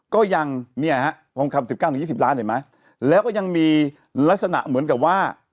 ก็ยังเนี่ยฮะผมคำสิบเก้าหนึ่งยี่สิบล้านเห็นไหมแล้วก็ยังมีลักษณะเหมือนกับว่า